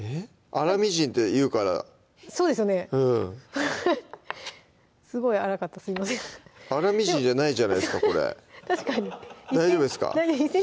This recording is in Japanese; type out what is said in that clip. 粗みじんって言うからそうですよねすごい粗かったすいません粗みじんじゃないじゃないっすかこれ確かに大丈夫ですか？